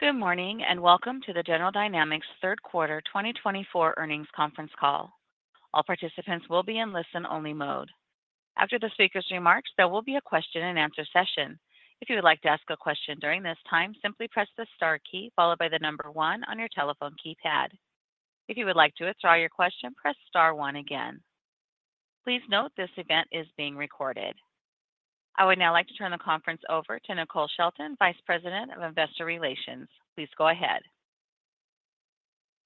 Good morning, and welcome to the General Dynamics third quarter 2024 earnings conference call. All participants will be in listen-only mode. After the speaker's remarks, there will be a question-and-answer session. If you would like to ask a question during this time, simply press the star key followed by the number one on your telephone keypad. If you would like to withdraw your question, press star one again. Please note, this event is being recorded. I would now like to turn the conference over to Nicole Shelton, Vice President of Investor Relations. Please go ahead.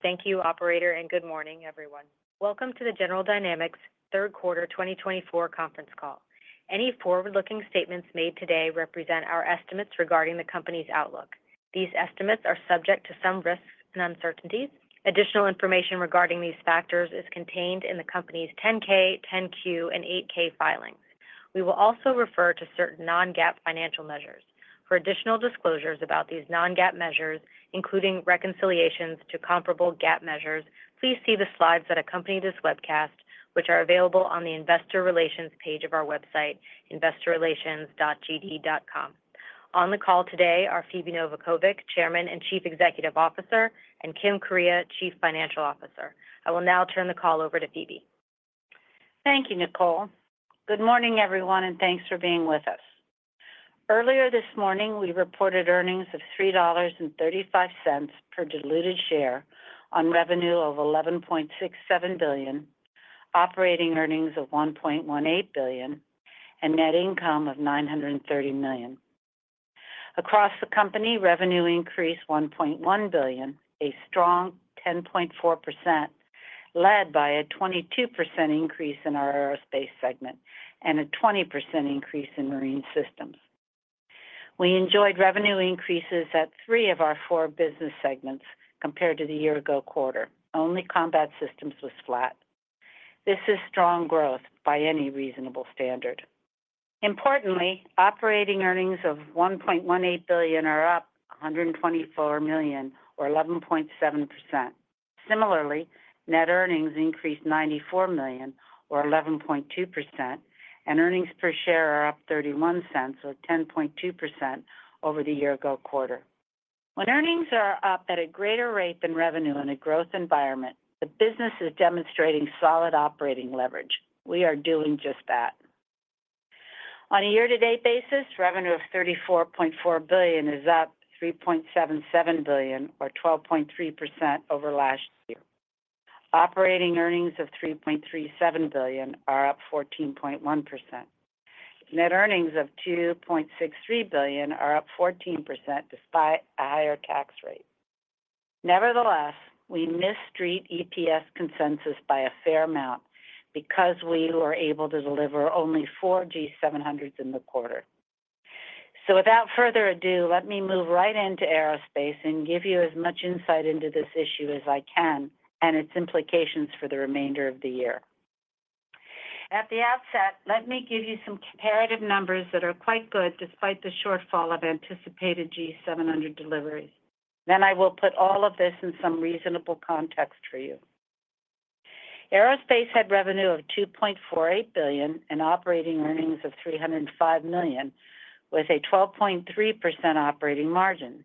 Thank you, operator, and good morning, everyone. Welcome to the General Dynamics third quarter 2024 conference call. Any forward-looking statements made today represent our estimates regarding the company's outlook. These estimates are subject to some risks and uncertainties. Additional information regarding these factors is contained in the Company's 10-K, 10-Q, and 8-K filings. We will also refer to certain non-GAAP financial measures. For additional disclosures about these non-GAAP measures, including reconciliations to comparable GAAP measures, please see the slides that accompany this webcast, which are available on the Investor Relations page of our website, investorrelations.gd.com. On the call today are Phebe Novakovic, Chairman and Chief Executive Officer, and Kim Kuryea, Chief Financial Officer. I will now turn the call over to Phebe. Thank you, Nicole. Good morning, everyone, and thanks for being with us. Earlier this morning, we reported earnings of $3.35 per diluted share on revenue of $11.67 billion, operating earnings of $1.18 billion, and net income of $930 million. Across the company, revenue increased $1.1 billion, a strong 10.4%, led by a 22% increase in our Aerospace segment and a 20% increase in Marine Systems. We enjoyed revenue increases at three of our four business segments compared to the year-ago quarter. Only Combat Systems was flat. This is strong growth by any reasonable standard. Importantly, operating earnings of $1.18 billion are up $124 million, or 11.7%. Similarly, net earnings increased $94 million or 11.2%, and earnings per share are up $0.31 or 10.2% over the year-ago quarter. When earnings are up at a greater rate than revenue in a growth environment, the business is demonstrating solid operating leverage. We are doing just that. On a year-to-date basis, revenue of $34.4 billion is up $3.77 billion or 12.3% over last year. Operating earnings of $3.37 billion are up 14.1%. Net earnings of $2.63 billion are up 14% despite a higher tax rate. Nevertheless, we missed Street EPS consensus by a fair amount because we were able to deliver only four G700s in the quarter. Without further ado, let me move right into aerospace and give you as much insight into this issue as I can and its implications for the remainder of the year. At the outset, let me give you some comparative numbers that are quite good, despite the shortfall of anticipated G700 deliveries. Then I will put all of this in some reasonable context for you. Aerospace had revenue of $2.48 billion and operating earnings of $305 million, with a 12.3% operating margin.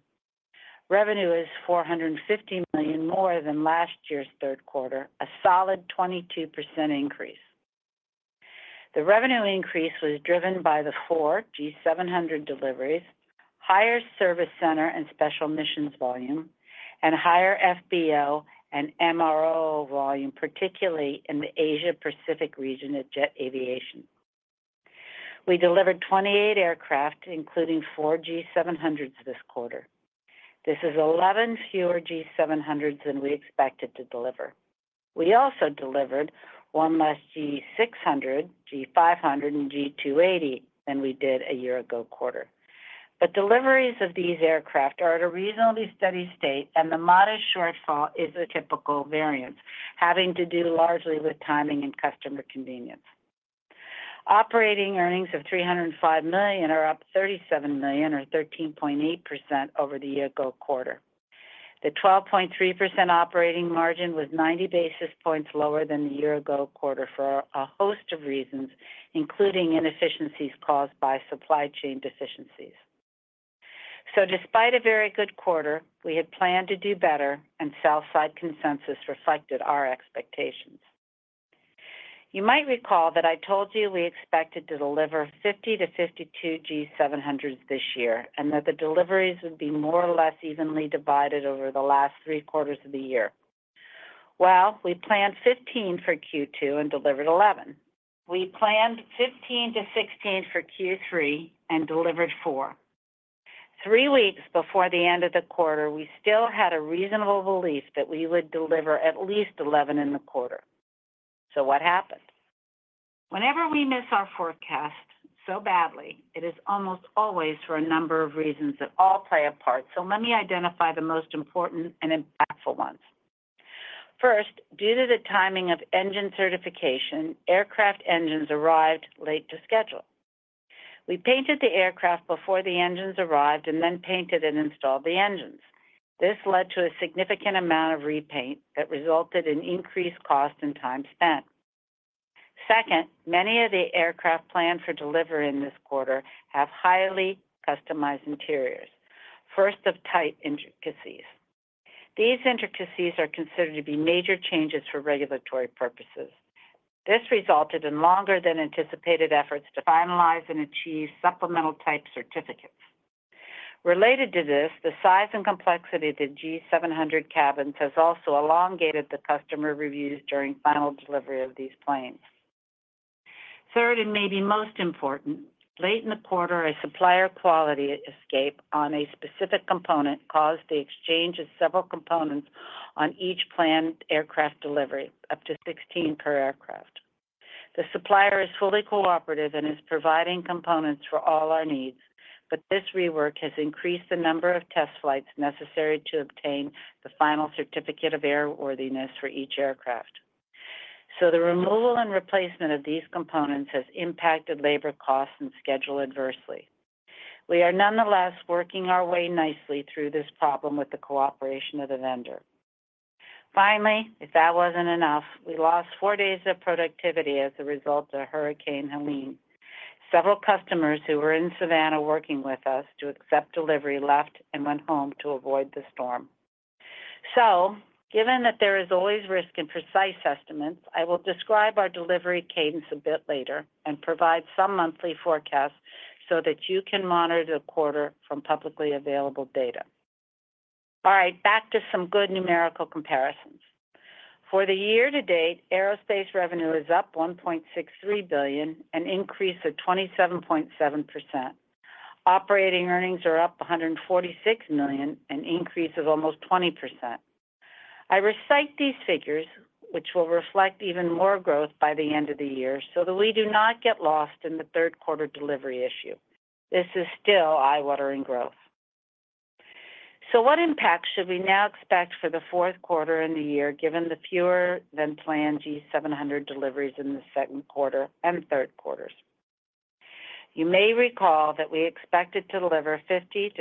Revenue is $450 million more than last year's third quarter, a solid 22% increase. The revenue increase was driven by the four G700 deliveries, higher service center and special missions volume, and higher FBO and MRO volume, particularly in the Asia Pacific region at Jet Aviation. We delivered 28 aircraft, including four G700s this quarter. This is 11 fewer G700 than we expected to deliver. We also delivered one less G600, G500, and G280 than we did a year ago quarter. But deliveries of these aircraft are at a reasonably steady state, and the modest shortfall is a typical variance, having to do largely with timing and customer convenience. Operating earnings of $305 million are up $37 million or 13.8% over the year-ago quarter. The 12.3% operating margin was 90 basis points lower than the year-ago quarter for a host of reasons, including inefficiencies caused by supply chain deficiencies. So despite a very good quarter, we had planned to do better, and sell-side consensus reflected our expectations. You might recall that I told you we expected to deliver 50-52 G700s this year and that the deliveries would be more or less evenly divided over the last 3 quarters of the year. Well, we planned 15 for Q2 and delivered 11. We planned 15-16 for Q3 and delivered 4. Three weeks before the end of the quarter, we still had a reasonable belief that we would deliver at least 11 in the quarter. So what happened? Whenever we miss our forecast so badly, it is almost always for a number of reasons that all play a part. So let me identify the most important and impactful ones. First, due to the timing of engine certification, aircraft engines arrived late to schedule. We painted the aircraft before the engines arrived and then painted and installed the engines. This led to a significant amount of repaint that resulted in increased cost and time spent. Second, many of the aircraft planned for delivery in this quarter have highly customized interiors, first of type intricacies. These intricacies are considered to be major changes for regulatory purposes. This resulted in longer than anticipated efforts to finalize and achieve Supplemental Type Certificates. Related to this, the size and complexity of the G700 cabins has also elongated the customer reviews during final delivery of these planes. Third, and maybe most important, late in the quarter, a supplier quality escape on a specific component caused the exchange of several components on each planned aircraft delivery, up to 16 per aircraft. The supplier is fully cooperative and is providing components for all our needs, but this rework has increased the number of test flights necessary to obtain the final Certificate of Airworthiness for each aircraft. So the removal and replacement of these components has impacted labor costs and schedule adversely. We are nonetheless working our way nicely through this problem with the cooperation of the vendor. Finally, if that wasn't enough, we lost four days of productivity as a result of Hurricane Helene. Several customers who were in Savannah working with us to accept delivery left and went home to avoid the storm. So given that there is always risk in precise estimates, I will describe our delivery cadence a bit later and provide some monthly forecasts so that you can monitor the quarter from publicly available data. All right, back to some good numerical comparisons. For the year to date, aerospace revenue is up $1.63 billion, an increase of 27.7%. Operating earnings are up $146 million, an increase of almost 20%. I recite these figures, which will reflect even more growth by the end of the year, so that we do not get lost in the third quarter delivery issue. This is still eye-watering growth. So what impact should we now expect for the fourth quarter and the year, given the fewer than planned G700 deliveries in the second quarter and third quarters? You may recall that we expected to deliver 50-52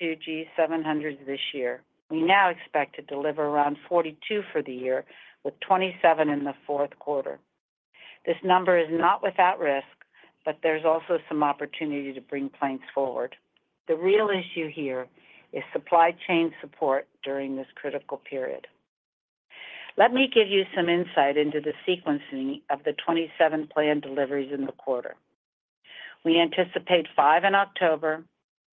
G700s this year. We now expect to deliver around 42 for the year, with 27 in the fourth quarter. This number is not without risk, but there's also some opportunity to bring planes forward. The real issue here is supply chain support during this critical period. Let me give you some insight into the sequencing of the27 planned deliveries in the quarter. We anticipate five in October,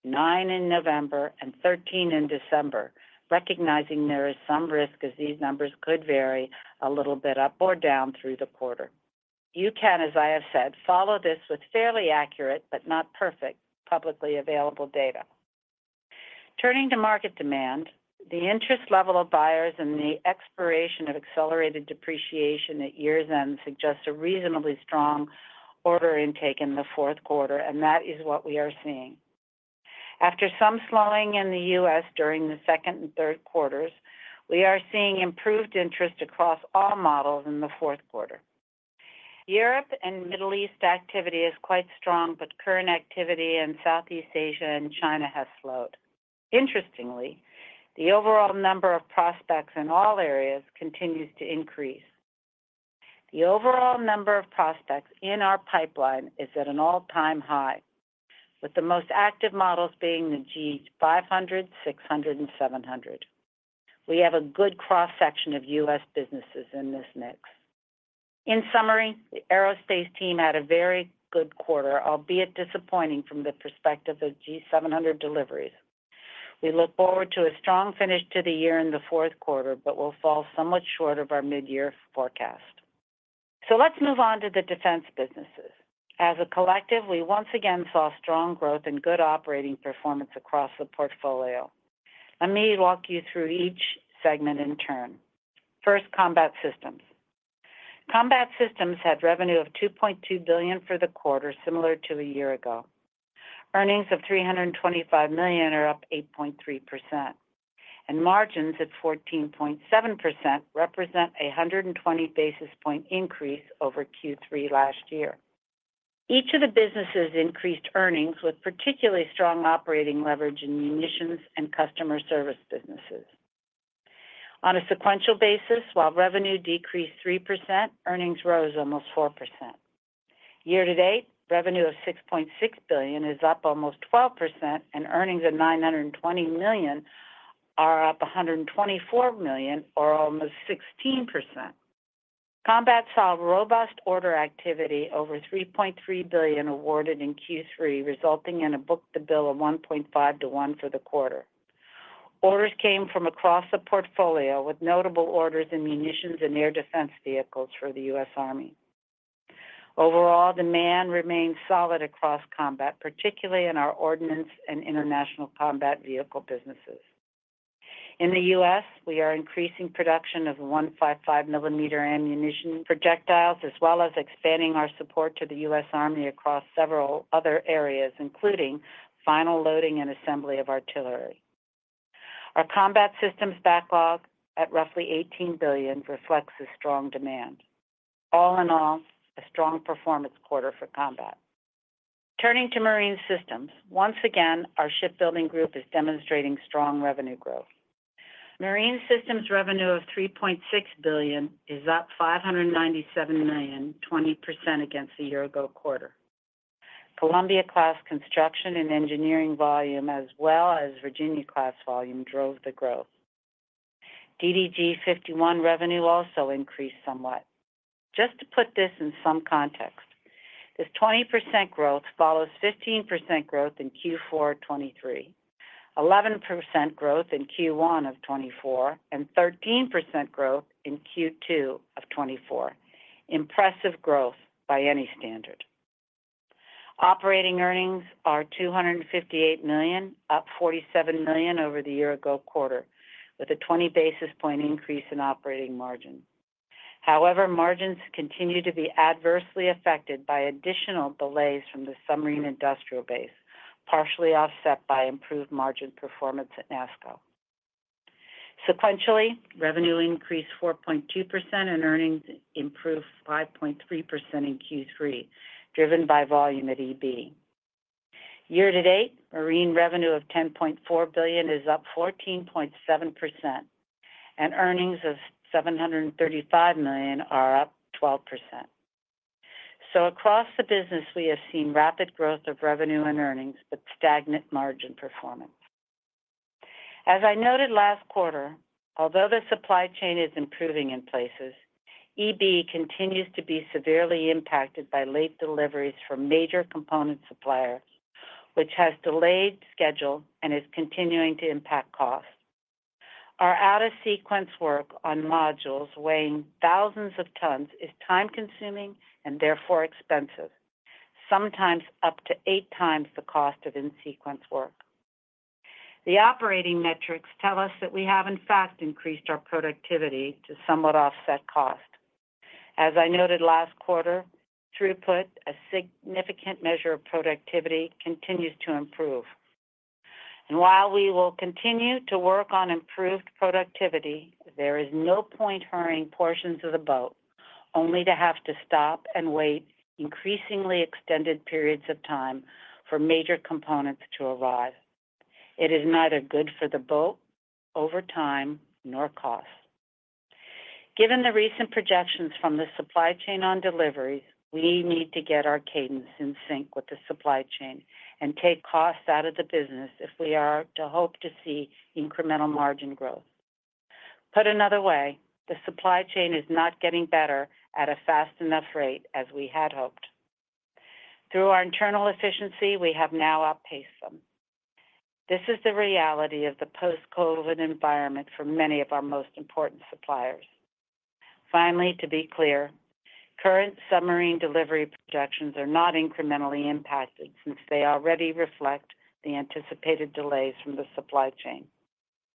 nine in November, and 13 in December, recognizing there is some risk as these numbers could vary a little bit up or down through the quarter. You can, as I have said, follow this with fairly accurate, but not perfect, publicly available data. Turning to market demand, the interest level of buyers and the expiration of accelerated depreciation at year's end suggests a reasonably strong order intake in the fourth quarter, and that is what we are seeing. After some slowing in the U.S. during the second and third quarters, we are seeing improved interest across all models in the fourth quarter. Europe and Middle East activity is quite strong, but current activity in Southeast Asia and China has slowed. Interestingly, the overall number of prospects in all areas continues to increase. The overall number of prospects in our pipeline is at an all-time high, with the most active models being the G500, G600, and G700. We have a good cross-section of U.S. businesses in this mix. In summary, the aerospace team had a very good quarter, albeit disappointing from the perspective of G700 deliveries. We look forward to a strong finish to the year in the fourth quarter, but will fall somewhat short of our mid-year forecast. So let's move on to the defense businesses. As a collective, we once again saw strong growth and good operating performance across the portfolio. Let me walk you through each segment in turn. First, Combat systems. Combat Systems had revenue of $2.2 billion for the quarter, similar to a year ago. Earnings of $325 million are up 8.3%, and margins at 14.7% represent a 120 basis point increase over Q3 last year. Each of the businesses increased earnings, with particularly strong operating leverage in munitions and customer service businesses. On a sequential basis, while revenue decreased 3%, earnings rose almost 4%. Year to date, revenue of $6.6 billion is up almost 12%, and earnings of $920 million are up $124 million, or almost 16%. Combat saw robust order activity over $3.3 billion awarded in Q3, resulting in a book-to-bill of 1.5 to 1 for the quarter. Orders came from across the portfolio, with notable orders in munitions and air defense vehicles for the U.S. Army. Overall, demand remains solid across combat, particularly in our ordnance and international combat vehicle businesses. In the U.S., we are increasing production of 155 mm ammunition projectiles, as well as expanding our support to the U.S. Army across several other areas, including final loading and assembly of artillery. Our combat systems backlog, at roughly $18 billion, reflects a strong demand. All in all, a strong performance quarter for combat. Turning to Marine Systems, once again, our shipbuilding group is demonstrating strong revenue growth. Marine Systems revenue of $3.6 billion is up $597 million, 20% against the year ago quarter. Columbia-class construction and engineering volume, as well as Virginia-class volume, drove the growth. DDG-51 revenue also increased somewhat. Just to put this in some context, this 20% growth follows 15% growth in Q4 2023, 11% growth in Q1 of 2024, and 13% growth in Q2 of 2024. Impressive growth by any standard. Operating earnings are $258 million, up $47 million over the year ago quarter, with a 20 basis point increase in operating margin. However, margins continue to be adversely affected by additional delays from the submarine industrial base, partially offset by improved margin performance at NASSCO. Sequentially, revenue increased 4.2% and earnings improved 5.3% in Q3, driven by volume at EB. Year-to-date, marine revenue of $10.4 billion is up 14.7%, and earnings of $735 million are up 12%. So across the business, we have seen rapid growth of revenue and earnings, but stagnant margin performance. As I noted last quarter, although the supply chain is improving in places, EB continues to be severely impacted by late deliveries from major component suppliers, which has delayed schedule and is continuing to impact costs. Our out-of-sequence work on modules weighing thousands of tons is time-consuming and therefore expensive, sometimes up to eight times the cost of in-sequence work. The operating metrics tell us that we have in fact increased our productivity to somewhat offset cost. As I noted last quarter, throughput, a significant measure of productivity, continues to improve. And while we will continue to work on improved productivity, there is no point hurrying portions of the boat, only to have to stop and wait increasingly extended periods of time for major components to arrive. It is neither good for the boat over time nor cost. Given the recent projections from the supply chain on deliveries, we need to get our cadence in sync with the supply chain and take costs out of the business if we are to hope to see incremental margin growth. Put another way, the supply chain is not getting better at a fast enough rate as we had hoped. Through our internal efficiency, we have now outpaced them. This is the reality of the post-COVID environment for many of our most important suppliers. Finally, to be clear, current submarine delivery projections are not incrementally impacted since they already reflect the anticipated delays from the supply chain.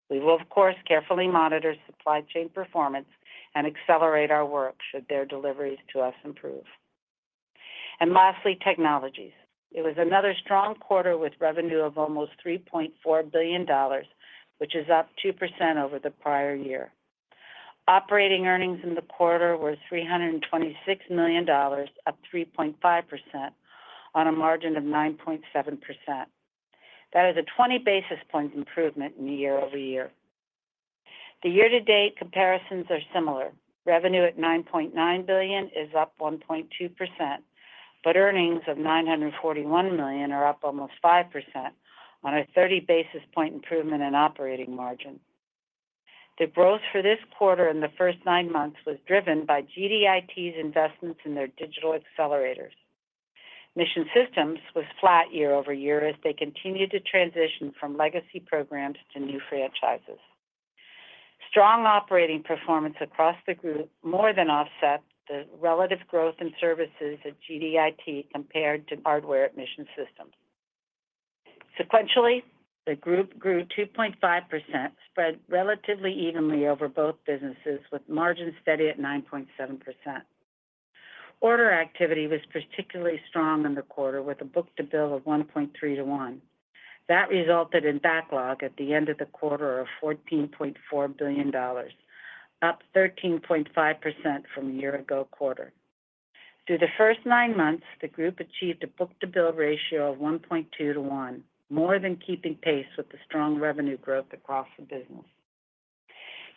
We will, of course, carefully monitor supply chain performance and accelerate our work should their deliveries to us improve. And lastly, Technologies. It was another strong quarter with revenue of almost $3.4 billion, which is up 2% over the prior year. Operating earnings in the quarter were $326 million, up 3.5% on a margin of 9.7%. That is a 20 basis point improvement year-over-year. The year-to-date comparisons are similar. Revenue at $9.9 billion is up 1.2%, but earnings of $941 million are up almost 5% on a 30 basis point improvement in operating margin. The growth for this quarter in the first nine months was driven by GDIT's investments in their digital accelerators. Mission Systems was flat year-over-year as they continued to transition from legacy programs to new franchises. Strong operating performance across the group more than offset the relative growth in services at GDIT compared to hardware at Mission Systems. Sequentially, the group grew 2.5%, spread relatively evenly over both businesses, with margin steady at 9.7%. Order activity was particularly strong in the quarter, with a book-to-bill of 1.3 to 1. That resulted in backlog at the end of the quarter of $14.4 billion, up 13.5% from a year ago quarter. Through the first nine months, the group achieved a book-to-bill ratio of 1.2 to 1, more than keeping pace with the strong revenue growth across the business.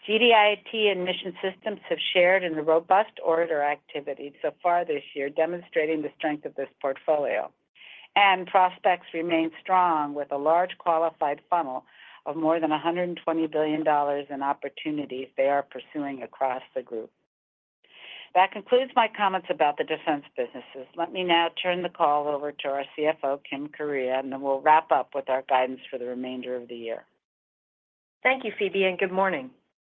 GDIT and Mission Systems have shared in the robust order activity so far this year, demonstrating the strength of this portfolio. And prospects remain strong, with a large qualified funnel of more than $120 billion in opportunities they are pursuing across the group. That concludes my comments about the defense businesses. Let me now turn the call over to our CFO, Kim Kuryea, and then we'll wrap up with our guidance for the remainder of the year. Thank you, Phebe, and good morning.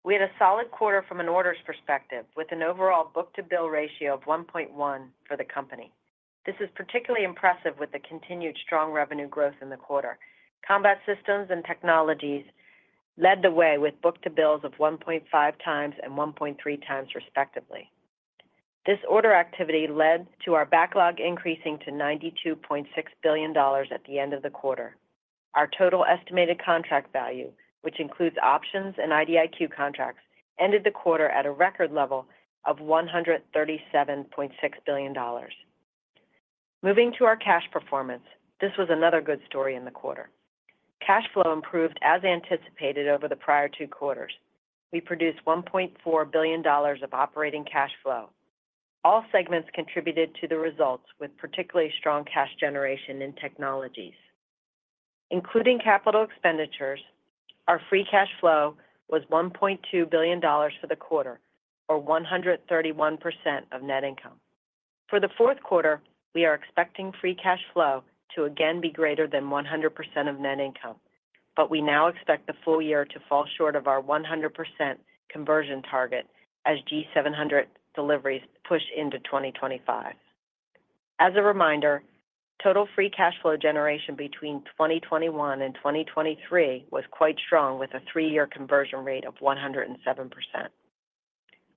We had a solid quarter from an orders perspective, with an overall book-to-bill ratio of 1.1 for the company. This is particularly impressive with the continued strong revenue growth in the quarter. Combat Systems and Technologies led the way with book-to-bills of 1.5 times and 1.3 times, respectively. This order activity led to our backlog increasing to $92.6 billion at the end of the quarter. Our total estimated contract value, which includes options and IDIQ contracts, ended the quarter at a record level of $137.6 billion. Moving to our cash performance, this was another good story in the quarter. Cash flow improved as anticipated over the prior two quarters. We produced $1.4 billion of operating cash flow. All segments contributed to the results, with particularly strong cash generation in Technologies. Including capital expenditures, our free cash flow was $1.2 billion for the quarter, or 131% of net income. For the fourth quarter, we are expecting free cash flow to again be greater than 100% of net income, but we now expect the full year to fall short of our 100% conversion target as G700 deliveries push into 2025. As a reminder, total free cash flow generation between 2021 and 2023 was quite strong, with a three-year conversion rate of 107%.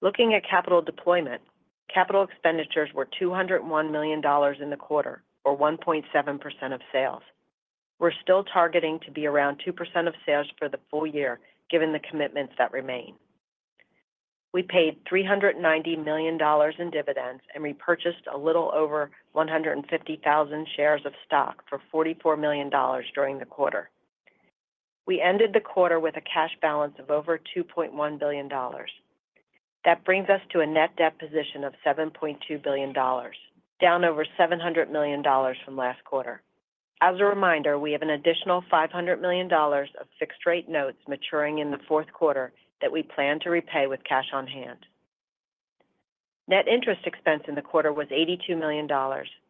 Looking at capital deployment, capital expenditures were $201 million in the quarter, or 1.7% of sales. We're still targeting to be around 2% of sales for the full year, given the commitments that remain. We paid $390 million in dividends and repurchased a little over 150,000 shares of stock for $44 million during the quarter. We ended the quarter with a cash balance of over $2.1 billion. That brings us to a net debt position of $7.2 billion, down over $700 million from last quarter. As a reminder, we have an additional $500 million of fixed-rate notes maturing in the fourth quarter that we plan to repay with cash on hand. Net interest expense in the quarter was $82 million,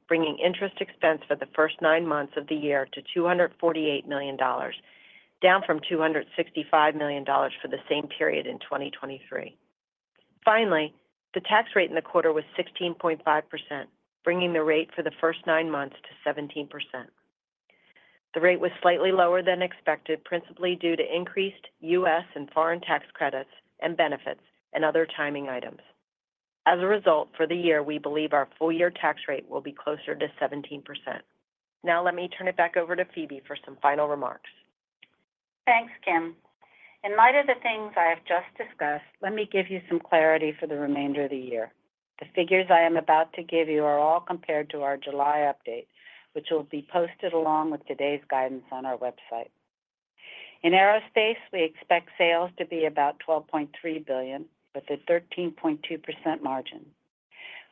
bringing interest expense for the first nine months of the year to $248 million, down from $265 million for the same period in 2023. Finally, the tax rate in the quarter was 16.5%, bringing the rate for the first nine months to 17%. The rate was slightly lower than expected, principally due to increased U.S. and foreign tax credits and benefits, and other timing items. As a result, for the year, we believe our full-year tax rate will be closer to 17%. Now, let me turn it back over to Phebe for some final remarks. Thanks, Kim. In light of the things I have just discussed, let me give you some clarity for the remainder of the year. The figures I am about to give you are all compared to our July update, which will be posted along with today's guidance on our website. In aerospace, we expect sales to be about $12.3 billion, with a 13.2% margin.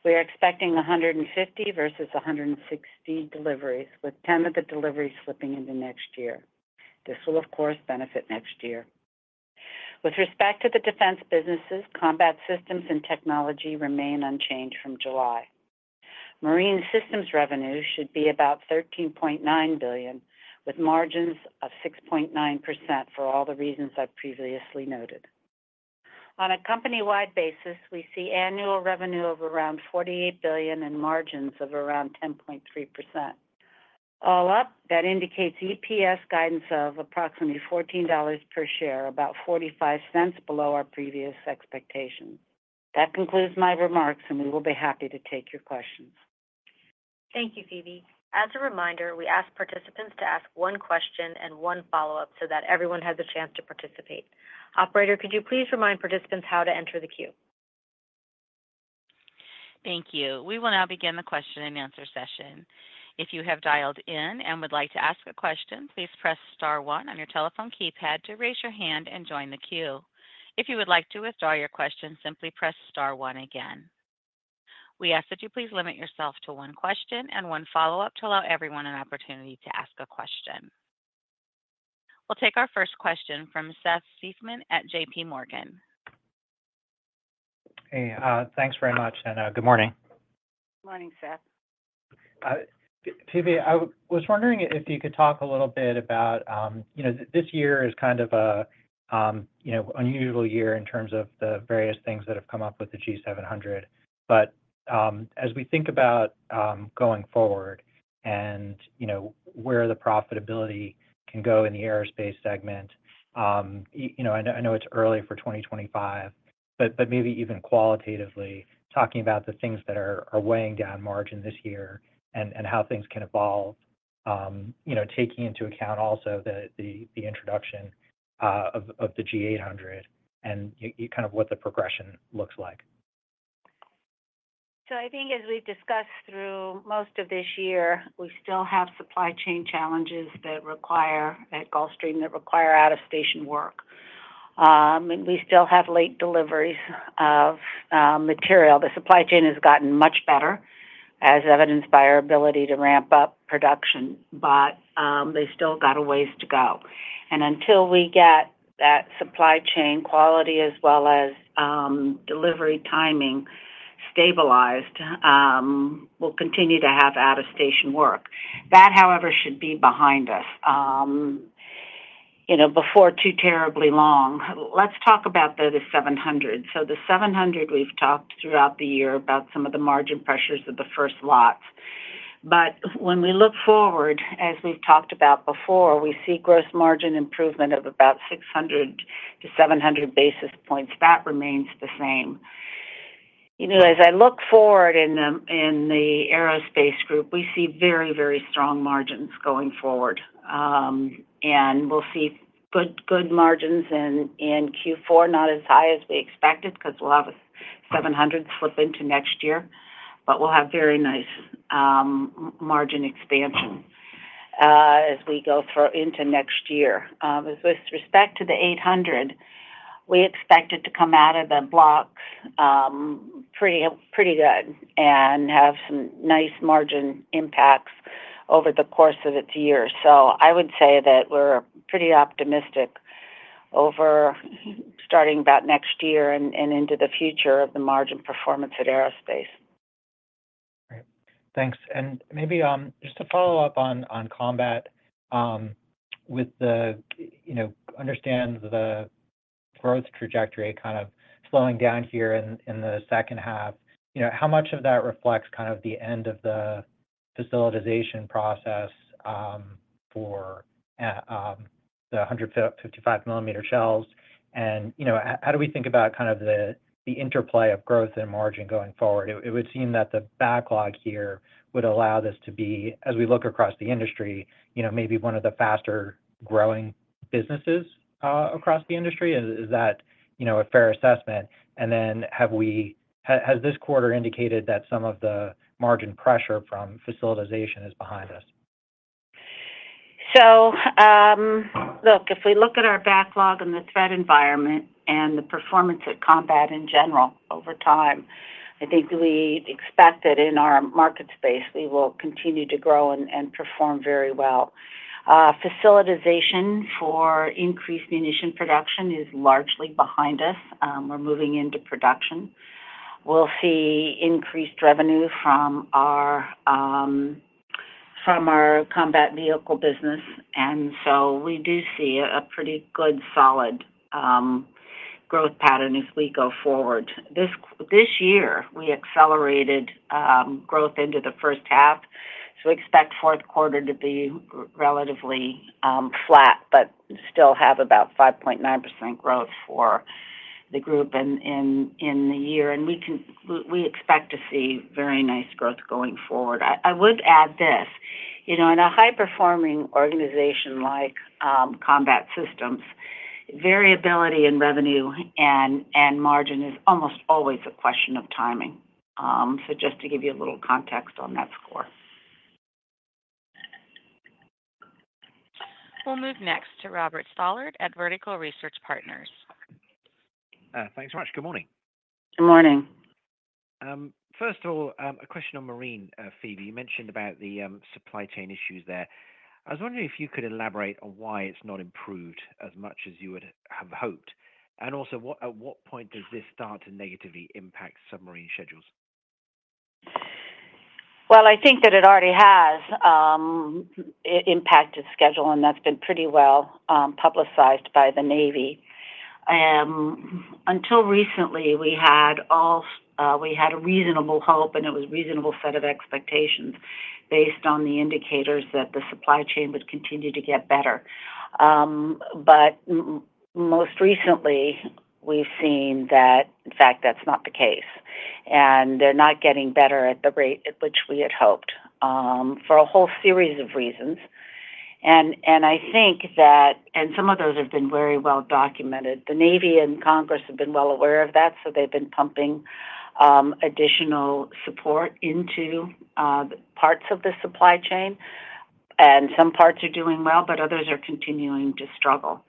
We are expecting 150 versus 160 deliveries, with 10 of the deliveries slipping into next year. This will, of course, benefit next year. With respect to the Defense businesses, Combat Systems and Technologies remain unchanged from July. Marine Systems revenue should be about $13.9 billion, with margins of 6.9% for all the reasons I've previously noted. On a company-wide basis, we see annual revenue of around $48 billion and margins of around 10.3%. All up, that indicates EPS guidance of approximately $14 per share, about $0.45 below our previous expectations. That concludes my remarks, and we will be happy to take your questions. Thank you, Phebe. As a reminder, we ask participants to ask one question and one follow-up so that everyone has a chance to participate. Operator, could you please remind participants how to enter the queue? Thank you. We will now begin the question-and-answer session. If you have dialed in and would like to ask a question, please press star one on your telephone keypad to raise your hand and join the queue. If you would like to withdraw your question, simply press star one again. We ask that you please limit yourself to one question and one follow-up to allow everyone an opportunity to ask a question. We'll take our first question from Seth Seifman at J.P. Morgan. Hey, thanks very much, and, good morning. Morning, Seth. Phebe, I was wondering if you could talk a little bit about, you know, this year is kind of a, you know, unusual year in terms of the various things that have come up with the G700. But, as we think about going forward and, you know, where the profitability can go in the aerospace segment, you know, I know, I know it's early for 2025, but, but maybe even qualitatively talking about the things that are weighing down margin this year and, and how things can evolve, you know, taking into account also the introduction of the G800 and kind of what the progression looks like. So I think as we've discussed through most of this year, we still have supply chain challenges that require at Gulfstream, that require out-of-station work. And we still have late deliveries of material. The supply chain has gotten much better, as evidenced by our ability to ramp up production, but they still got a ways to go. And until we get that supply chain quality, as well as delivery timing stabilized, we'll continue to have out-of-station work. That, however, should be behind us, you know, before too terribly long. Let's talk about the G700. So the G700, we've talked throughout the year about some of the margin pressures of the first lots. But when we look forward, as we've talked about before, we see gross margin improvement of about 600 to 700 basis points. That remains the same. You know, as I look forward in the aerospace group, we see very, very strong margins going forward, and we'll see good, good margins in Q4, not as high as we expected, because we'll have a G700 slip into next year, but we'll have very nice margin expansion as we go through into next year. With respect to the G800, we expect it to come out of the blocks pretty, pretty good and have some nice margin impacts over the course of its year. So I would say that we're pretty optimistic, starting about next year and into the future of the margin performance at Aerospace. Great. Thanks. And maybe, just to follow up on combat, with the, you know, understand the growth trajectory kind of slowing down here in the second half, you know, how much of that reflects kind of the end of the facilitization process for the 155 mm shells? And, you know, how do we think about kind of the interplay of growth and margin going forward? It would seem that the backlog here would allow this to be, as we look across the industry, you know, maybe one of the faster-growing businesses across the industry. Is that a fair assessment? And then, has this quarter indicated that some of the margin pressure from facilitization is behind us? Look, if we look at our backlog in the threat environment and the performance at combat in general over time, I think we expect that in our market space, we will continue to grow and perform very well. Facilitization for increased munition production is largely behind us. We're moving into production. We'll see increased revenue from our combat vehicle business, and so we do see a pretty good solid growth pattern as we go forward. This year, we accelerated growth into the first half, so we expect fourth quarter to be relatively flat, but still have about 5.9% growth for the group in the year. We expect to see very nice growth going forward. I would add this, you know, in a high-performing organization like Combat Systems, variability in revenue and margin is almost always a question of timing, so just to give you a little context on that score. We'll move next to Robert Stallard at Vertical Research Partners. Thanks very much. Good morning. Good morning. First of all, a question on Marine, Phebe. You mentioned about the supply chain issues there. I was wondering if you could elaborate on why it's not improved as much as you would have hoped, and also at what point does this start to negatively impact submarine schedules? I think that it already has impacted schedule, and that's been pretty well publicized by the Navy. Until recently, we had a reasonable hope, and it was a reasonable set of expectations based on the indicators that the supply chain would continue to get better. But most recently, we've seen that, in fact, that's not the case, and they're not getting better at the rate at which we had hoped for a whole series of reasons. Some of those have been very well documented. The Navy and Congress have been well aware of that, so they've been pumping additional support into parts of the supply chain, and some parts are doing well, but others are continuing to struggle.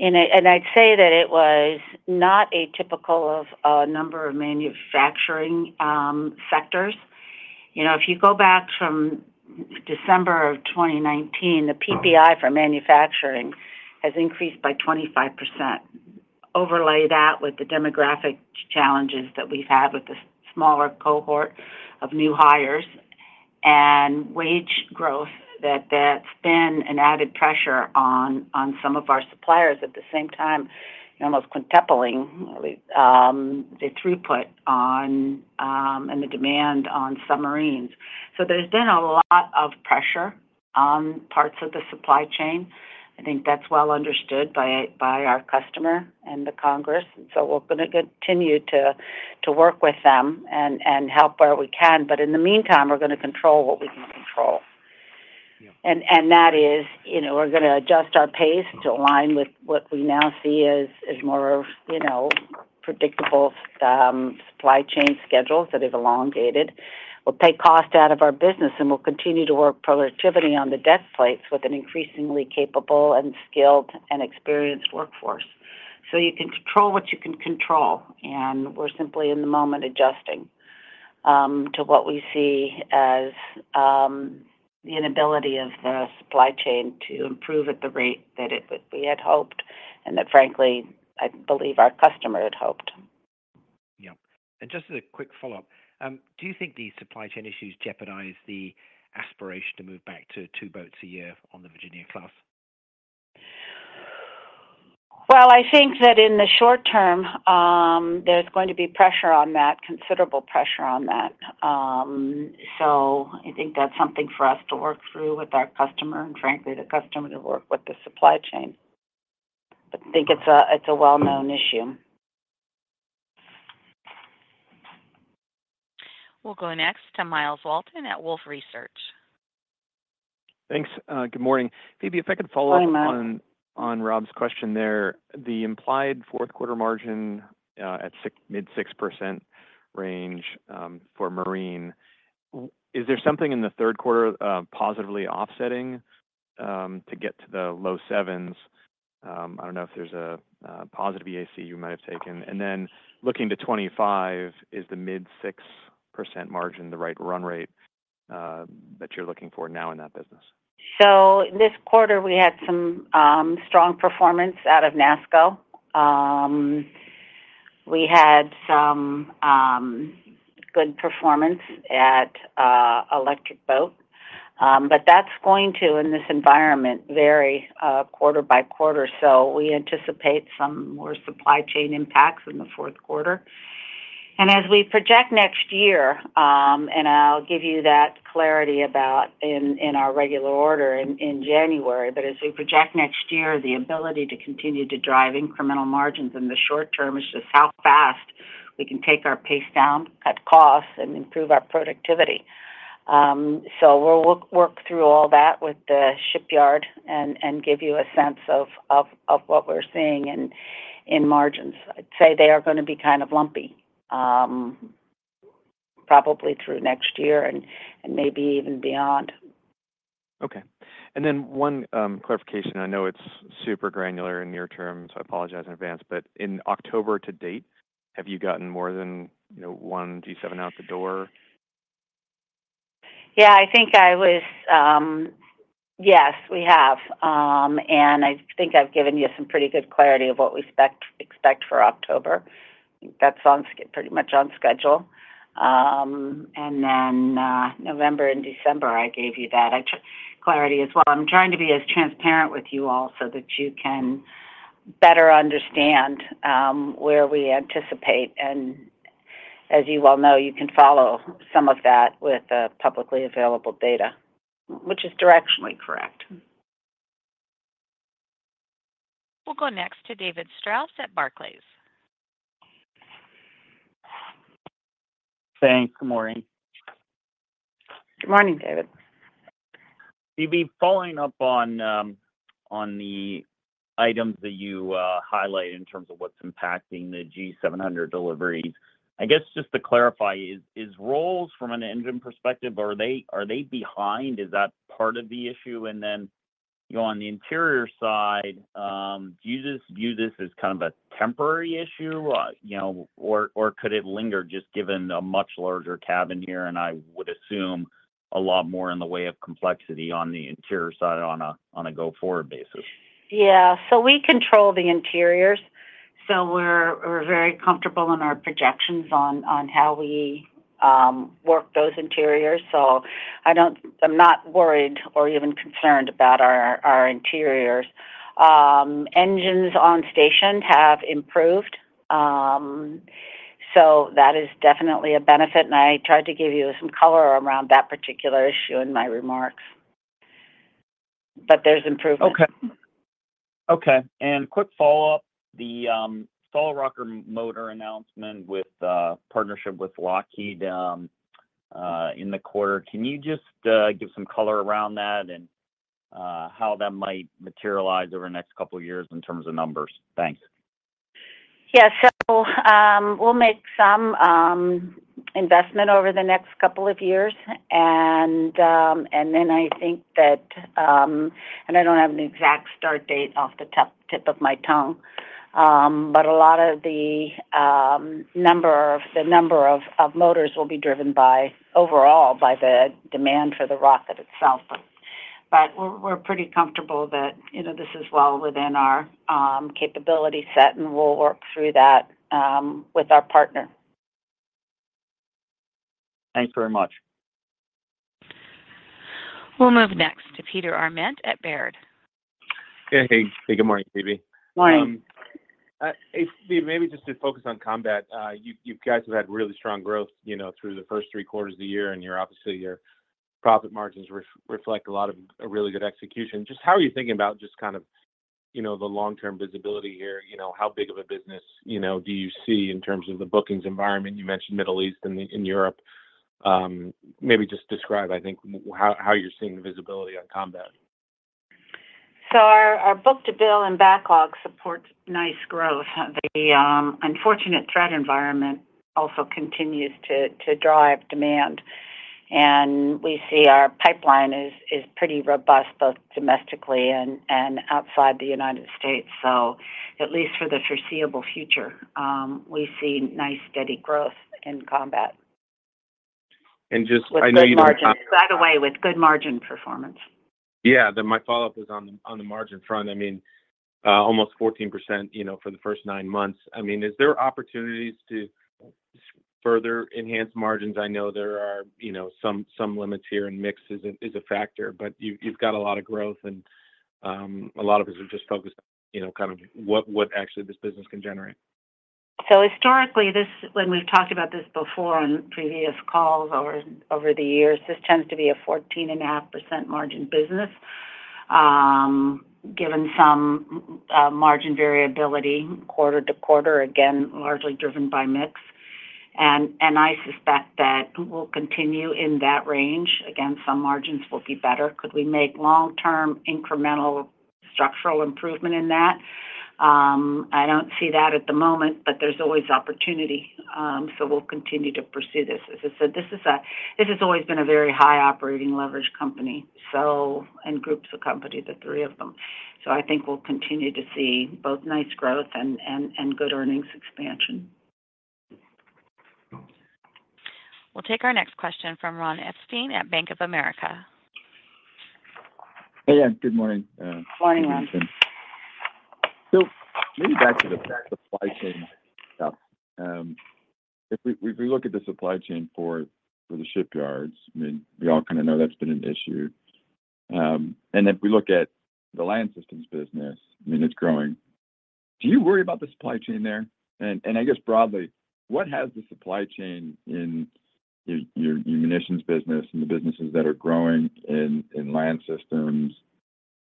I'd say that it was not atypical of a number of manufacturing sectors. You know, if you go back from December of 2019, the PPI for manufacturing has increased by 25%. Overlay that with the demographic challenges that we've had with the smaller cohort of new hires and wage growth, that's been an added pressure on some of our suppliers. At the same time, almost quintupling the throughput on and the demand on submarines. So there's been a lot of pressure on parts of the supply chain. I think that's well understood by our customer and the Congress, and so we're gonna continue to work with them and help where we can. But in the meantime, we're gonna control what we can control. Yeah. That is, you know, we're gonna adjust our pace to align with what we now see as more of, you know, predictable supply chain schedules that have elongated. We'll take cost out of our business, and we'll continue to work productivity on the deck plates with an increasingly capable and skilled and experienced workforce. You control what you can control, and we're simply in the moment adjusting to what we see as the inability of the supply chain to improve at the rate that it we had hoped, and that, frankly, I believe our customer had hoped. Yeah, and just as a quick follow-up, do you think these supply chain issues jeopardize the aspiration to move back to two boats a year on the Virginia class? I think that in the short term, there's going to be pressure on that, considerable pressure on that. So I think that's something for us to work through with our customer and, frankly, the customer to work with the supply chain. I think it's a well-known issue. We'll go next to Myles Walton at Wolfe Research. Thanks. Good morning. Phebe, if I could follow up- Morning, Myles. On Rob's question there. The implied fourth quarter margin at mid-6% range for marine, is there something in the third quarter positively offsetting to get to the low 7s? I don't know if there's a positive AC you might have taken. And then, looking to 2025, is the mid-6% margin the right run rate that you're looking for now in that business? So this quarter, we had some strong performance out of NASSCO. We had some good performance at Electric Boat. But that's going to, in this environment, vary quarter by quarter. So we anticipate some more supply chain impacts in the fourth quarter. And as we project next year, and I'll give you that clarity about in our regular order in January, but as we project next year, the ability to continue to drive incremental margins in the short term is just how fast we can take our pace down, cut costs, and improve our productivity. So we'll work through all that with the shipyard and give you a sense of what we're seeing in margins. I'd say they are gonna be kind of lumpy probably through next year and maybe even beyond. Okay, and then one clarification. I know it's super granular and near term, so I apologize in advance. But in October to date, have you gotten more than, you know, one G700 out the door? Yeah, I think I was. Yes, we have. And I think I've given you some pretty good clarity of what we expect for October. That's pretty much on schedule. And then, November and December, I gave you that clarity as well. I'm trying to be as transparent with you all so that you can better understand where we anticipate. And as you well know, you can follow some of that with the publicly available data, which is directionally correct. We'll go next to David Strauss at Barclays. Thanks. Good morning. Good morning, David. Phebe, following up on the items that you highlighted in terms of what's impacting the G700 deliveries, I guess, just to clarify, is Rolls from an engine perspective, are they behind? Is that part of the issue? And then, you know, on the interior side, do you just view this as kind of a temporary issue, you know, or could it linger, just given a much larger cabin here, and I would assume a lot more in the way of complexity on the interior side on a go-forward basis? Yeah. So we control the interiors, so we're very comfortable in our projections on how we work those interiors. So I don't. I'm not worried or even concerned about our interiors. Engines on station have improved, so that is definitely a benefit, and I tried to give you some color around that particular issue in my remarks. But there's improvement. Okay. Okay, and quick follow-up: the solid rocket motor announcement with partnership with Lockheed in the quarter, can you just give some color around that and how that might materialize over the next couple of years in terms of numbers? Thanks. Yeah, so we'll make some investment over the next couple of years, then I think that and I don't have an exact start date off the top of my head, but a lot of the number of motors will be driven overall by the demand for the rocket itself, but we're pretty comfortable that, you know, this is well within our capability set, and we'll work through that with our partner. Thanks very much. We'll move next to Peter Arment at Baird. Hey. Hey, good morning, Phebe. Morning. If maybe just to focus on combat, you guys have had really strong growth, you know, through the first three quarters of the year, and you're obviously, your profit margins reflect a lot of really good execution. Just how are you thinking about just kind of, you know, the long-term visibility here? You know, how big of a business, you know, do you see in terms of the bookings environment? You mentioned Middle East and Europe. Maybe just describe, I think, how you're seeing the visibility on combat. So our book-to-bill and backlog supports nice growth. The unfortunate threat environment also continues to drive demand, and we see our pipeline is pretty robust, both domestically and outside the United States. So at least for the foreseeable future, we see nice, steady growth in combat. And just, I know you. With good margins. By the way, with good margin performance. Yeah. Then my follow-up is on the margin front. I mean, almost 14%, you know, for the first nine months. I mean, is there opportunities to further enhance margins? I know there are, you know, some limits here, and mix is a factor, but you've got a lot of growth and, a lot of us are just focused on, you know, kind of what actually this business can generate. So historically, this, when we've talked about this before on previous calls over the years, this tends to be a 14.5% margin business, given some margin variability quarter to quarter, again, largely driven by mix. And I suspect that we'll continue in that range. Again, some margins will be better. Could we make long-term, incremental, structural improvement in that? I don't see that at the moment, but there's always opportunity, so we'll continue to pursue this. As I said, this has always been a very high operating leverage company, so and groups of companies, the three of them. So I think we'll continue to see both nice growth and good earnings expansion. We'll take our next question from Ron Epstein at Bank of America. Hey, yeah, good morning, Good morning, Epstein. So maybe back to the supply chain stuff. If we, if we look at the supply chain for, for the shipyards, I mean, we all kind of know that's been an issue. And if we look at the Land Systems business, I mean, it's growing. Do you worry about the supply chain there? And, and I guess broadly, what has the supply chain in your, your munitions business and the businesses that are growing in, in land systems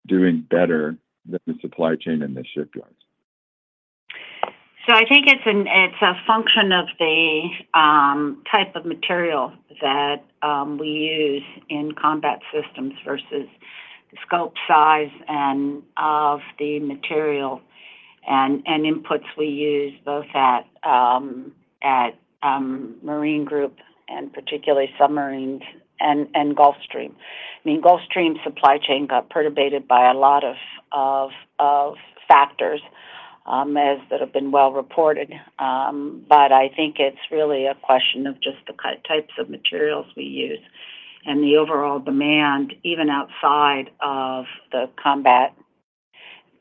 doing better than the supply chain in the shipyards? So I think it's a function of the type of material that we use in combat systems versus the scope, size, and of the material and inputs we use, both at Marine group, and particularly submarines and Gulfstream. I mean, Gulfstream supply chain got perturbated by a lot of factors, as that have been well reported. But I think it's really a question of just the types of materials we use and the overall demand, even outside of the combat,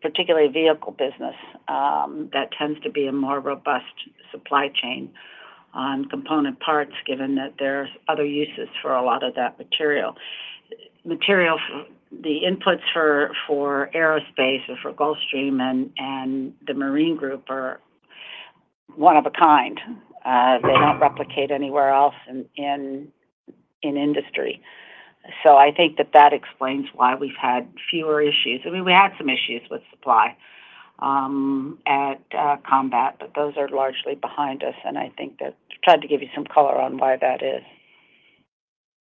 particularly vehicle business. That tends to be a more robust supply chain on component parts, given that there's other uses for a lot of that material. Material, the inputs for aerospace or for Gulfstream and the Marine group are one of a kind. They don't replicate anywhere else in industry. So I think that explains why we've had fewer issues. I mean, we had some issues with supply at Combat, but those are largely behind us, and I think that... I tried to give you some color on why that is.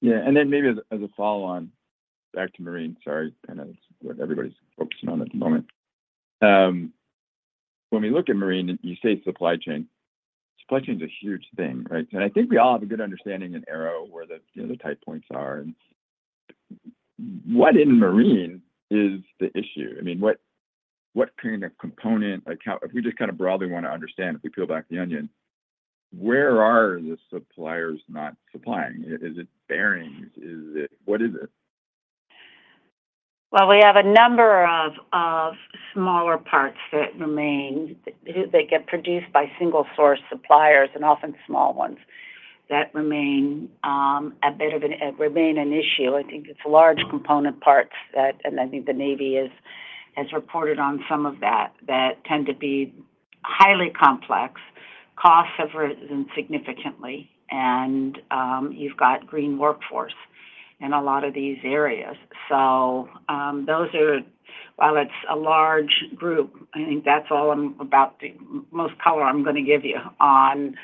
Yeah, and then maybe as a follow-on, back to Marine. Sorry, I know that's what everybody's focusing on at the moment. When we look at Marine, you say supply chain. Supply chain is a huge thing, right? And I think we all have a good understanding in Aero where the, you know, the tight points are. What in Marine is the issue? I mean, what kind of component, like, how if we just kind of broadly want to understand, if we peel back the onion, where are the suppliers not supplying? Is it bearings? Is it... What is it? Well, we have a number of smaller parts that remain. They get produced by single-source suppliers, and often small ones, that remain a bit of an issue. I think it's large component parts that, and I think the Navy has reported on some of that, that tend to be highly complex. Costs have risen significantly, and you've got green workforce in a lot of these areas. So, those are... While it's a large group, I think that's all about the most color I'm going to give you on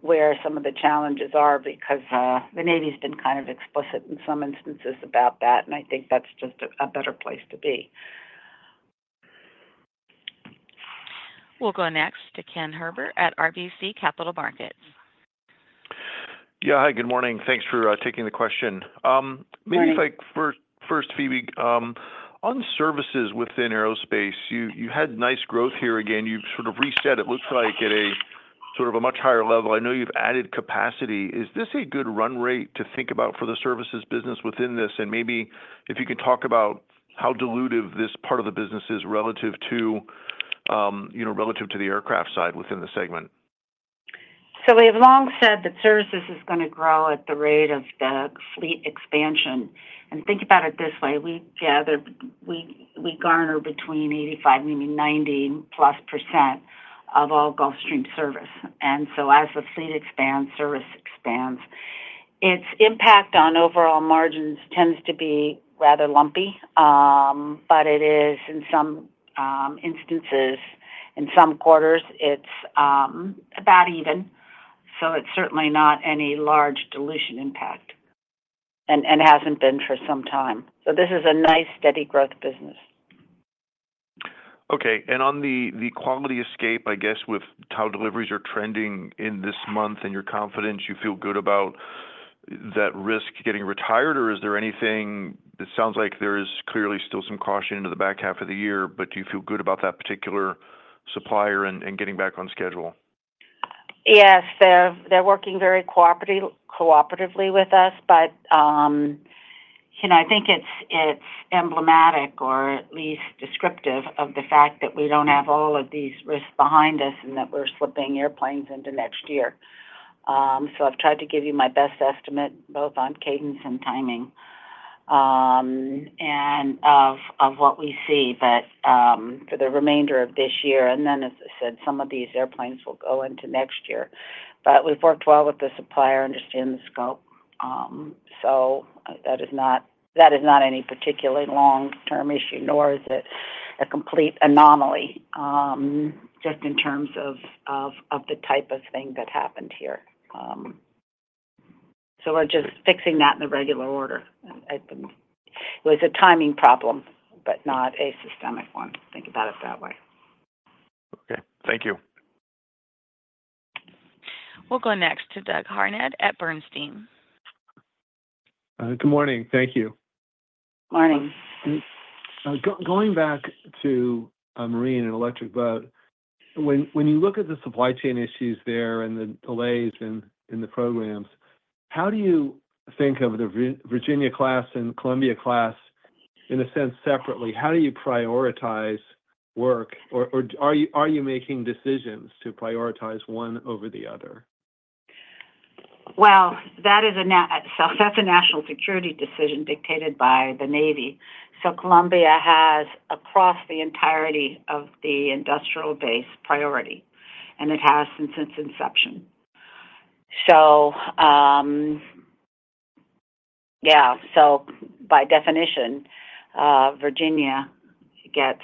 where some of the challenges are, because the Navy's been kind of explicit in some instances about that, and I think that's just a better place to be. We'll go next to Ken Herbert at RBC Capital Markets. Yeah. Hi, good morning. Thanks for taking the question. Maybe like, first, Phebe, on services within aerospace, you had nice growth here. Again, you've sort of reset. It looks like at a sort of a much higher level. I know you've added capacity. Is this a good run rate to think about for the services business within this? And maybe if you could talk about how dilutive this part of the business is relative to, you know, relative to the aircraft side within the segment. So we have long said that services is going to grow at the rate of the fleet expansion. And think about it this way: We garner between 85%, maybe 90-plus percent of all Gulfstream service. And so, as the fleet expands, service expands. Its impact on overall margins tends to be rather lumpy, but it is, in some instances, in some quarters, it's about even. So it's certainly not any large dilution impact, and hasn't been for some time. So this is a nice, steady growth business. Okay. And on the quality escape, I guess, with how deliveries are trending in this month and your confidence, you feel good about that risk getting retired, or is there anything... It sounds like there is clearly still some caution into the back half of the year, but do you feel good about that particular supplier and getting back on schedule? Yes. They're working very cooperatively with us, but, you know, I think it's emblematic, or at least descriptive, of the fact that we don't have all of these risks behind us and that we're slipping airplanes into next year. So I've tried to give you my best estimate, both on cadence and timing, and of what we see, but, for the remainder of this year, and then, as I said, some of these airplanes will go into next year. But we've worked well with the supplier, understand the scope, so that is not any particularly long-term issue, nor is it a complete anomaly, just in terms of the type of thing that happened here. So we're just fixing that in the regular order. It was a timing problem, but not a systemic one. Think about it that way. Okay. Thank you. We'll go next to Doug Harned at Bernstein. Good morning. Thank you. Morning. Going back to Marine and Electric Boat, when you look at the supply chain issues there and the delays in the programs, how do you think of the Virginia class and Columbia class in a sense, separately? How do you prioritize work, or are you making decisions to prioritize one over the other? That's a national security decision dictated by the Navy. Columbia has, across the entirety of the industrial base, priority, and it has since its inception. Yeah, by definition, Virginia gets,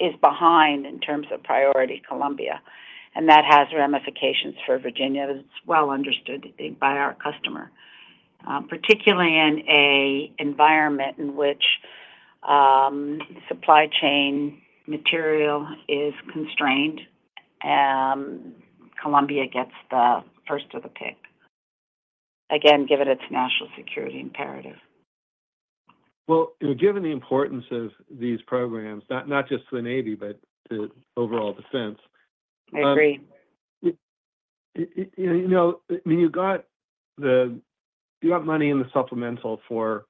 is behind in terms of priority, Columbia, and that has ramifications for Virginia. It's well understood by our customer, particularly in an environment in which supply chain material is constrained, and Columbia gets the first pick. Again, given its national security imperative. Given the importance of these programs, not just to the Navy, but to overall defense. I agree You know, I mean, you got money in the supplemental for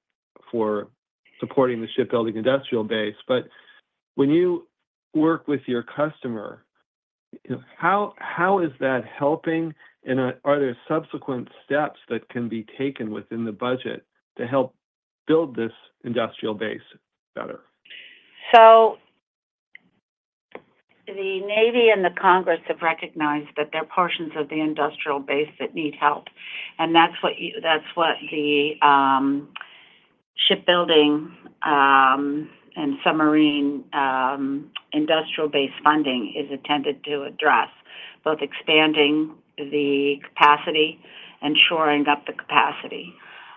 supporting the shipbuilding industrial base, but when you work with your customer, how is that helping? And are there subsequent steps that can be taken within the budget to help build this industrial base better? So the Navy and the Congress have recognized that there are portions of the industrial base that need help, and that's what the shipbuilding and submarine industrial base funding is intended to address, both expanding the capacity and shoring up the capacity.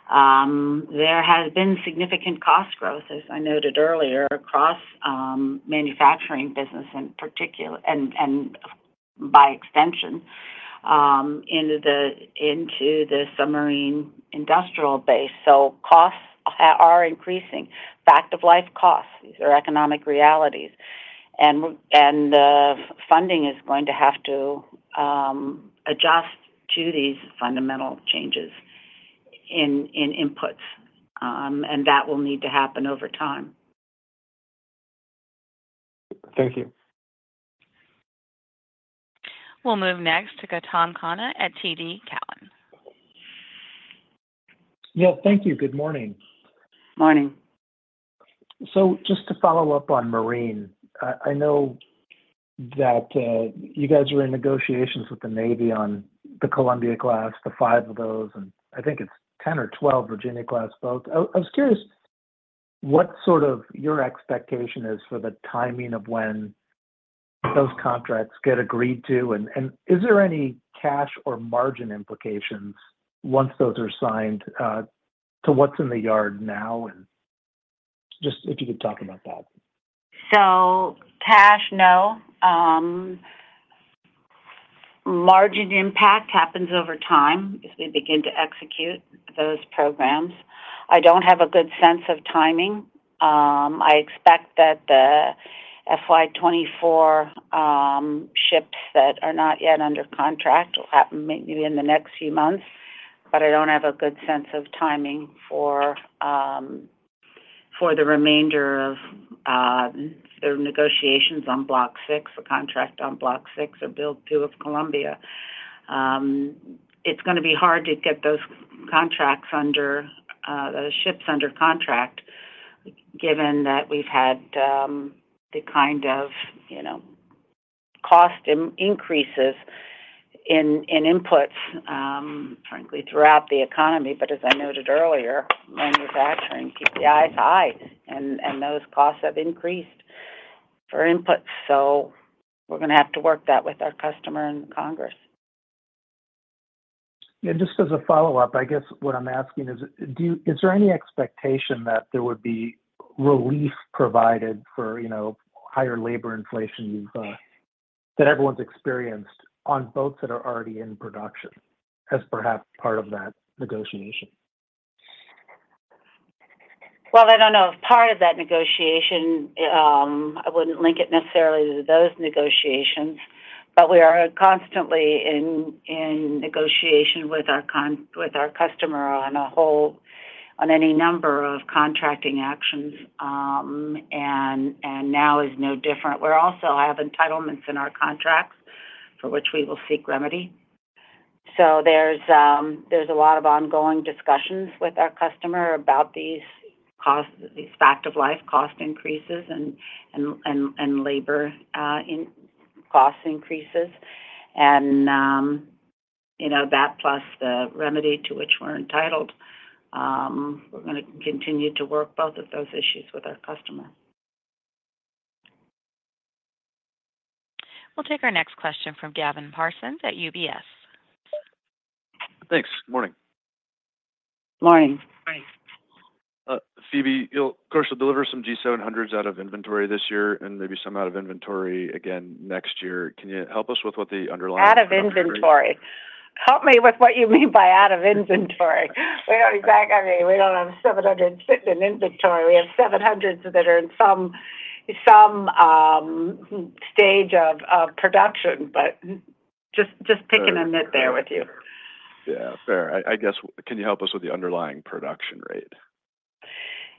There has been significant cost growth, as I noted earlier, across manufacturing business in particular, and by extension into the submarine industrial base. So costs are increasing. Fact of life costs. These are economic realities, and the funding is going to have to adjust to these fundamental changes in inputs, and that will need to happen over time. Thank you. We'll move next to Gautam Khanna at TD Cowen. Yeah, thank you. Good morning. Morning. So just to follow up on marine, I know that you guys are in negotiations with the Navy on the Columbia class, the five of those, and I think it's 10 or 12 Virginia-class boats. I was curious what sort of your expectation is for the timing of when those contracts get agreed to, and is there any cash or margin implications once those are signed to what's in the yard now? And just if you could talk about that. So cash, no. Margin impact happens over time as we begin to execute those programs. I don't have a good sense of timing. I expect that the FY 2024 ships that are not yet under contract will happen maybe in the next few months, but I don't have a good sense of timing for the remainder of the negotiations on Block VI, the contract on Block VI, or build two of Columbia. It's gonna be hard to get those contracts under those ships under contract, given that we've had the kind of, you know, cost increases in inputs, frankly, throughout the economy. But as I noted earlier, manufacturing PPI high and those costs have increased for inputs, so we're gonna have to work that with our customer and the Congress. Yeah, just as a follow-up, I guess what I'm asking is, is there any expectation that there would be relief provided for, you know, higher labor inflation you've that everyone's experienced on boats that are already in production, as perhaps part of that negotiation? I don't know if part of that negotiation. I wouldn't link it necessarily to those negotiations, but we are constantly in negotiation with our customer on any number of contracting actions, and now is no different. We're also have entitlements in our contracts for which we will seek remedy. So there's a lot of ongoing discussions with our customer about these costs, these fact of life cost increases and labor in cost increases. And you know, that plus the remedy to which we're entitled, we're gonna continue to work both of those issues with our customer. We'll take our next question from Gavin Parsons at UBS. Thanks. Morning. Morning. Morning. Phoebe, you'll of course, deliver some G700s out of inventory this year and maybe some out of inventory again next year. Can you help us with what the underlying. Out of inventory? Help me with what you mean by out of inventory. I mean, we don't have 700s sitting in inventory. We have 700s that are in some stage of production, but just picking a bit there with you. Yeah, fair. I guess, can you help us with the underlying production rate?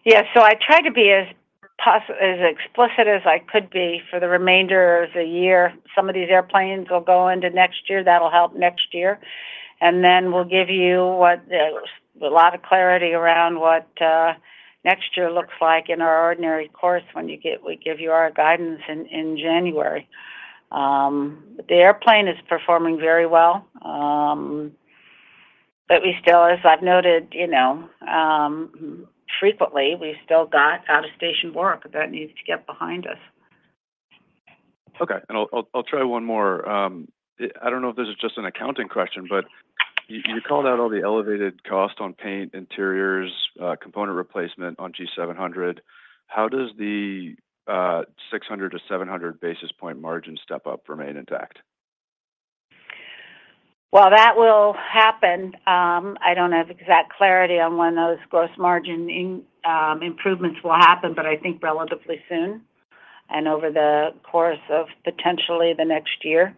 Yeah, so I tried to be as explicit as possible for the remainder of the year. Some of these airplanes will go into next year. That'll help next year, and then we'll give you a lot of clarity around what next year looks like in our ordinary course when we give you our guidance in January. The airplane is performing very well, but we still, as I've noted, you know, frequently, we've still got out-of-station work that needs to get behind us. Okay, and I'll try one more. I don't know if this is just an accounting question, but you called out all the elevated cost on paint, interiors, component replacement on G700. How does the 600 to 700 basis point margin step up remain intact? That will happen. I don't have exact clarity on when those gross margin improvements will happen, but I think relatively soon, and over the course of potentially the next year,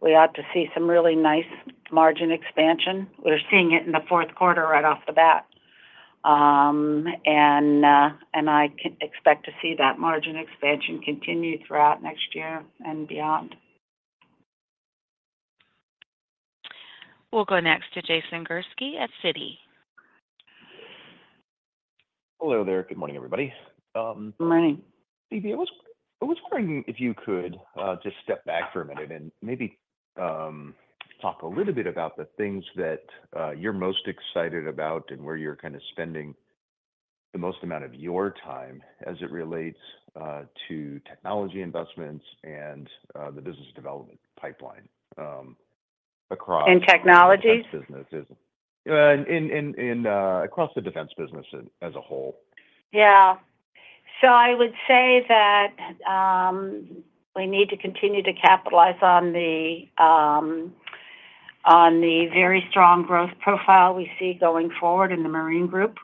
we ought to see some really nice margin expansion. We're seeing it in the fourth quarter right off the bat, and I can expect to see that margin expansion continue throughout next year and beyond. We'll go next to Jason Gursky at Citi. Hello there. Good morning, everybody. Good morning. Phebe, I was wondering if you could just step back for a minute and maybe talk a little bit about the things that you're most excited about and where you're kind of spending the most amount of your time as it relates to technology investments and the business development pipeline across. In Technologies? Defense business. Yeah, in across the defense business as a whole. Yeah. So I would say that we need to continue to capitalize on the very strong growth profile we see going forward in the marine group.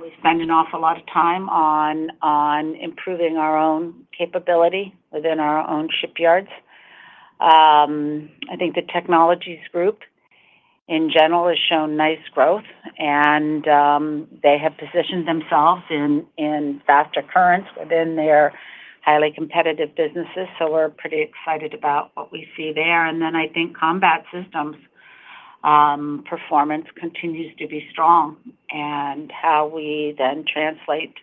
We spend an awful lot of time on improving our own capability within our own shipyards. I think the Technologies group, in general, has shown nice growth, and they have positioned themselves in faster currents within their highly competitive businesses, so we're pretty excited about what we see there. And then, I think Combat Systems performance continues to be strong, and how we then translate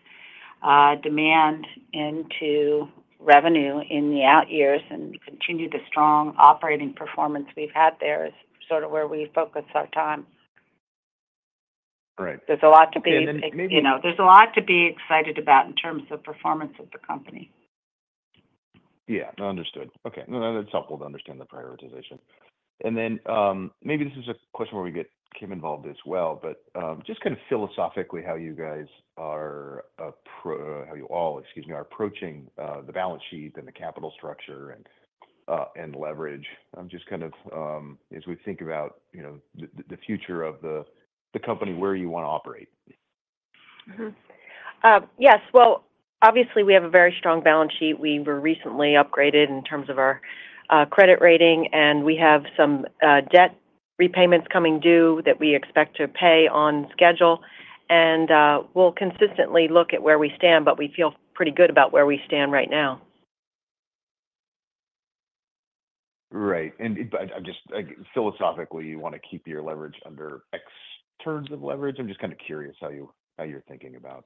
demand into revenue in the out years and continue the strong operating performance we've had there is sort of where we focus our time. Right. There's a lot to be. And then maybe. You know, there's a lot to be excited about in terms of performance of the company. Yeah. Understood. Okay. No, that's helpful to understand the prioritization. And then, maybe this is a question where we get Kim involved as well, but, just kind of philosophically, how you guys are appro-- how you all, excuse me, are approaching the balance sheet and the capital structure and leverage. I'm just kind of, as we think about, you know, the future of the company, where you want to operate. Mm-hmm. Yes. Well, obviously, we have a very strong balance sheet. We were recently upgraded in terms of our credit rating, and we have some debt repayments coming due that we expect to pay on schedule, and we'll consistently look at where we stand, but we feel pretty good about where we stand right now. Right. And, but I'm just philosophically, you want to keep your leverage under X terms of leverage? I'm just kind of curious how you're thinking about.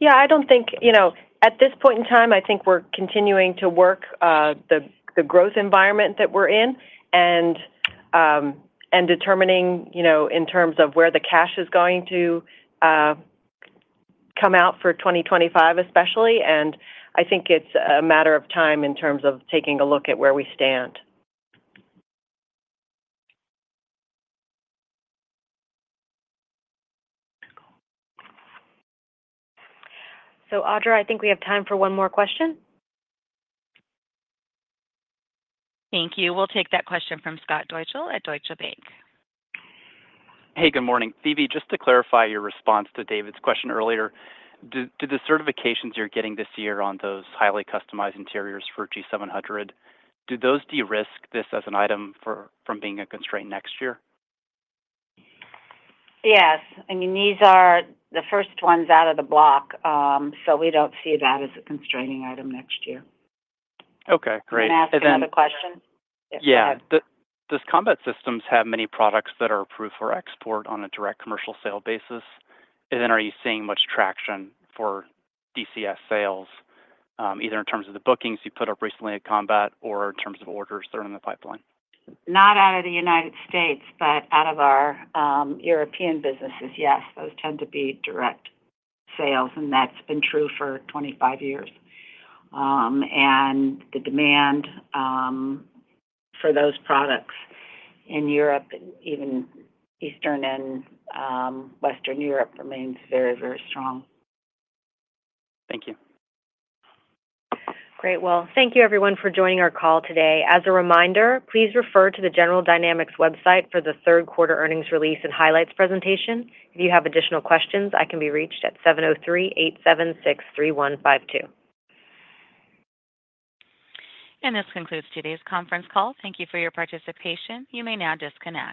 Yeah, I don't think, you know. At this point in time, I think we're continuing to work the growth environment that we're in and determining, you know, in terms of where the cash is going to come out for 2025, especially. I think it's a matter of time in terms of taking a look at where we stand. Audra, I think we have time for one more question. Thank you. We'll take that question from Scott Deuschle at Deutsche Bank. Hey, good morning. Phebe, just to clarify your response to David's question earlier, do the certifications you're getting this year on those highly customized interiors for G700, do those de-risk this as an item for, from being a constraint next year? Yes. I mean, these are the first ones out of the gate, so we don't see that as a constraining item next year. Okay, great. You may ask another question? Yeah. Yeah. Does Combat Systems have many products that are approved for export on a direct commercial sale basis? And then, are you seeing much traction for DCS sales, either in terms of the bookings you put up recently at Combat or in terms of orders that are in the pipeline? Not out of the United States, but out of our European businesses, yes, those tend to be direct sales, and that's been true for 25 years, and the demand for those products in Europe, even Eastern and Western Europe, remains very, very strong. Thank you. Great. Well, thank you, everyone, for joining our call today. As a reminder, please refer to the General Dynamics website for the third quarter earnings release and highlights presentation. If you have additional questions, I can be reached at (703) 876-3152. This concludes today's conference call. Thank you for your participation. You may now disconnect.